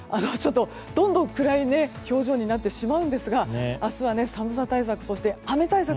どんどん暗い表情になってしまうんですが明日は寒さ対策そして雨対策